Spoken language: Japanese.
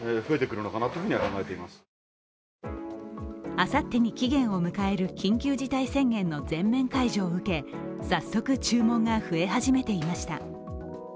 あさってに期限を迎える緊急事態宣言の全面解除を受け早速、注文が増え始めていました。